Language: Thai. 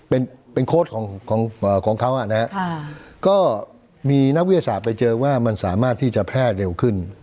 เป็นเป็นโค้ดของของของเขาอ่ะนะฮะก็มีนักวิทยาศาสตร์ไปเจอว่ามันสามารถที่จะแพร่เร็วขึ้น